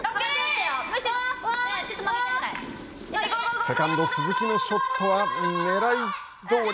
セカンド鈴木のショットはねらいどおり。